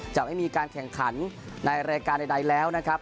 จะไม่มีการแข่งขันในรายการใดแล้วนะครับ